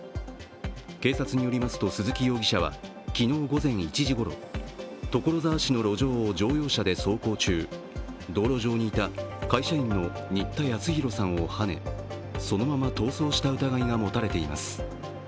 警察によりますと、鈴木容疑者は昨日午前１時ごろ所沢市の路上を乗用車で走行中、道路上にいた会社員の新田恭弘さんをはね、そのまま逃走した疑いが持たれています。